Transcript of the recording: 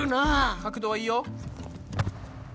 角度はいいよ。